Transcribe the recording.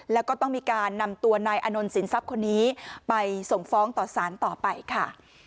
แล้วก็ต้องมีการนำตัวนายอานนท์สินทรัพย์คนนี้ไปส่งฟ้องต่อสารต่อไปค่ะ